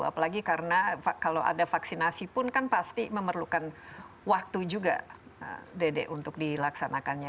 apalagi karena kalau ada vaksinasi pun kan pasti memerlukan waktu juga dede untuk dilaksanakannya